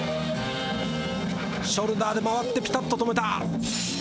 ショルダーで回ってピタッと止めた。